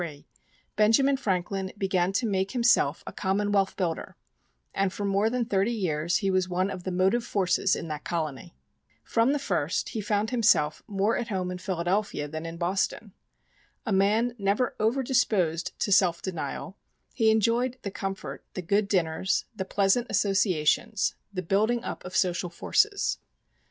Bowen, Brooklyn, N. Y.] Franklin as a Pennsylvanian On his arrival in Philadelphia in 1723, Benjamin Franklin began to make himself a commonwealth builder, and for more than thirty years he was one of the motive forces in that colony. From the first he found himself more at home in Philadelphia than in Boston. A man never overdisposed to self denial, he enjoyed the comfort, the good dinners, the pleasant associations, the building up of social forces.